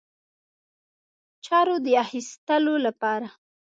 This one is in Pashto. چارو د اخیستلو لپاره.